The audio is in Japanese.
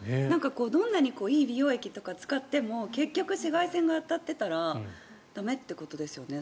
どんなにいい美容液とか使っても結局、紫外線が当たっていたら駄目ってことですよね。